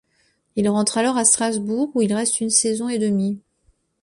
Il rentre alors à Strasbourg où il reste une saison et demi.